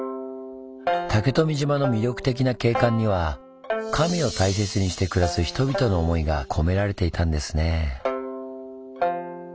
竹富島の魅力的な景観には神を大切にして暮らす人々の思いが込められていたんですねぇ。